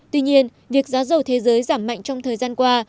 tuy nhiên việc giá dầu thế giới giảm mạnh trong thời gian qua